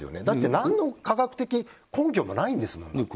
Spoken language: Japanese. だって、何の科学的根拠もないんですもん。